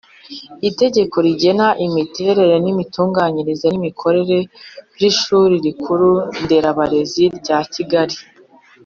Itegeko rigena imiterere imitunganyirize n imikorere by ishuri rikuru nderabarezi rya kigali